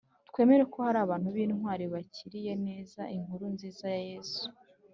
twemere ko hari abantu b’intwari bakiriye neza inkuru nziza ya yezu